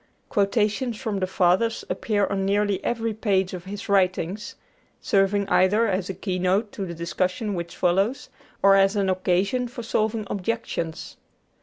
Quotations from the Fathers appear on nearly every page of his writings, serving either as a keynote to the discussion which follows, or as an occasion for solving objections.